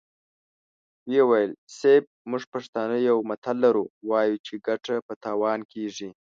ويې ويل: صيب! موږ پښتانه يو متل لرو، وايو چې ګټه په تاوان کېږي.